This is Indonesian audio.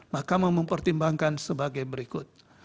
mahkamah mempertimbangkan sebagai berikut